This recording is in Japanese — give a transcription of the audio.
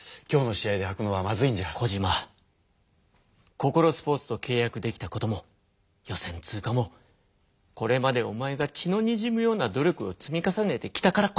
ココロスポーツとけい約できたことも予選通過もこれまでおまえが血のにじむような努力を積み重ねてきたからこそだ。